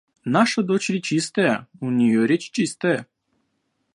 Наша дочь речистая, у нее речь чистая.